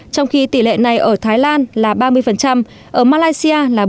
trong khi tỷ lệ này ở thái lan là ba mươi ở malaysia là bốn mươi